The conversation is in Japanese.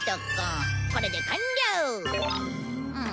これで完了！